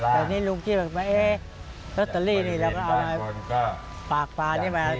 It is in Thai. แต่นี่ลุงที่แบบว่าลอตเตอรี่นี่เราก็เอามาปากปลานี่มา